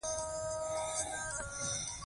• هر څوک چې یوه ورځ مري.